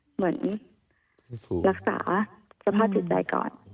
เหมือนรักษาสภาพจิตใจก่อน